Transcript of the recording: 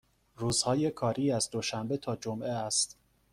روزهای کاری از دوشنبه تا جمعه است.